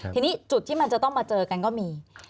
ทีนี้จุดที่มันจะต้องมาเจอกันก็มี